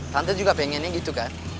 tante juga pengennya gitu kan